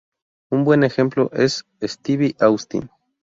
Un buen ejemplo es Steve Austin.